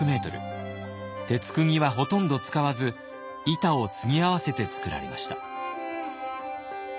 鉄くぎはほとんど使わず板を継ぎ合わせて造られました。